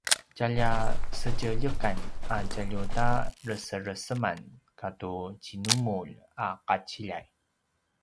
tjalja sedjeljekan a tjalju ta resereseman katu djinumulj a qaciljay